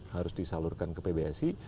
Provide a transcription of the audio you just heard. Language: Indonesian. harus disalurkan ke pbsi